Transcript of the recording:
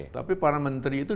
tapi para menteri itu